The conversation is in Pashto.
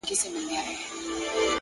پوه انسان د هر حالت مانا لټوي.